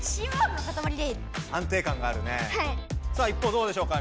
さあ一方どうでしょうか？